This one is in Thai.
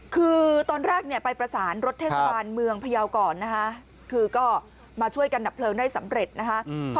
คือตอนแรกเนี่ยไปประสานรถเทศบาลเมืองพยาวก่อนนะคะคือก็มาช่วยกันดับเพลิงได้สำเร็จนะคะ